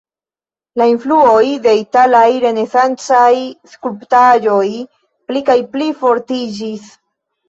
La influoj de italaj renesancaj skulptaĵoj pli kaj pli fortiĝis.